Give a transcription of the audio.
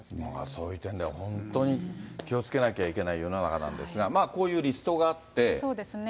そういう点では本当に気をつけなきゃいけない世の中なんですそうですね。